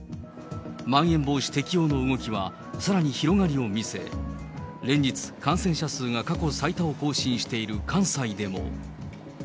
まん延防止適用の動きは、さらに広がりを見せ、連日、感染者数が過去最多を更新している関西でも。